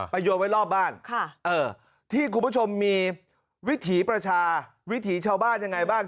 โยนไว้รอบบ้านที่คุณผู้ชมมีวิถีประชาวิถีชาวบ้านยังไงบ้าง